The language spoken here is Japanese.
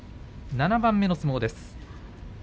７番目の相撲です。